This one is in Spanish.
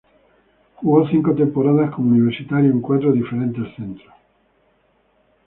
Jugó cinco temporadas como universitario en cuatro diferentes centros.